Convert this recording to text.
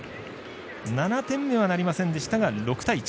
７点目はなりませんでしたが６対１。